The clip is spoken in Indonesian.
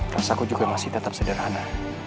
rasaku juga masih tetap sederhana